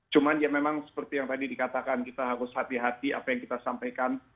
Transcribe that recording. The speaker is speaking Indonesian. cuman ya memang seperti yang tadi dikatakan kita harus hati hati apa yang kita sampaikan